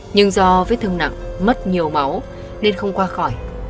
nhưng do vết thương nặng mất nhiều máu nên không qua khỏi